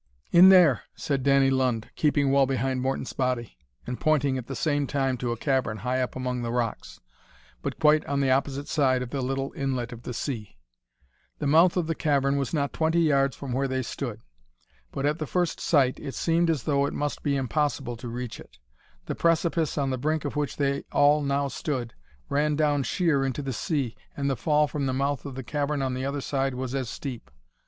"In there," said Danny Lund, keeping well behind Morton's body, and pointing at the same time to a cavern high up among the rocks, but quite on the opposite side of the little inlet of the sea. The mouth of the cavern was not twenty yards from where they stood, but at the first sight it seemed as though it must be impossible to reach it. The precipice on the brink of which they all now stood, ran down sheer into the sea, and the fall from the mouth of the cavern on the other side was as steep.